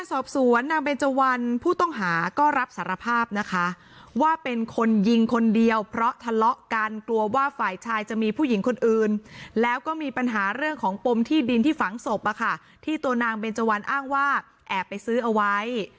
สอบสวนนางเบนเจวันผู้ต้องหาก็รับสารภาพนะคะว่าเป็นคนยิงคนเดียวเพราะทะเลาะกันกลัวว่าฝ่ายชายจะมีผู้หญิงคนอื่นแล้วก็มีปัญหาเรื่องของปมที่ดินที่ฝังศพที่ตัวนางเบนเจวันอ้างว่าแอบไปซื้อเอาไว้